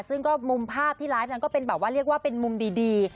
ซึ่งก็มุมภาพที่ไลฟ์นั้นก็เรียกว่าเป็นมุมดี